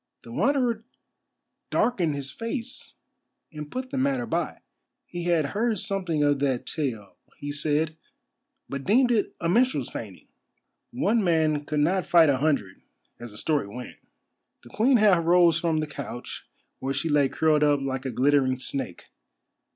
The Wanderer darkened his face and put the matter by. He had heard something of that tale, he said, but deemed it a minstrel's feigning. One man could not fight a hundred, as the story went. The Queen half rose from the couch where she lay curled up like a glittering snake.